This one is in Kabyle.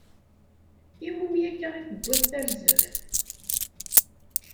Iwumi akka i tuwiḍ tarzeft?